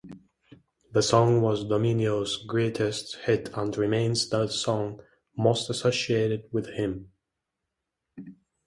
The song was Domino's greatest hit and remains the song most associated with him.